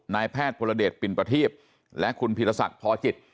นายแพทย์ประเด็จปินประทีบและคุณพิรสักษ์พอจิต